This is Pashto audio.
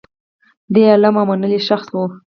دی عالم او منلی شخص و.